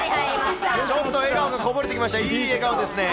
ちょっと笑顔がこぼれてきました、いい笑顔ですね。